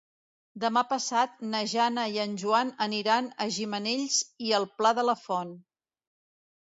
Demà passat na Jana i en Joan aniran a Gimenells i el Pla de la Font.